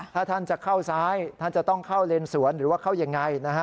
ถ้าท่านจะเข้าซ้ายท่านจะต้องเข้าเลนสวนหรือว่าเข้ายังไงนะฮะ